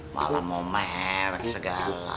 malah mau melek segala